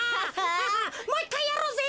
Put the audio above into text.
もう１かいやろうぜ！